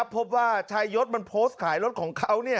พบว่าชายยศมันโพสต์ขายรถของเขา